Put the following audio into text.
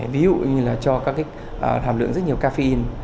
ví dụ như là cho các hàm lượng rất nhiều caffeine